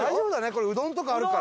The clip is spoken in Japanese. これうどんとかあるから。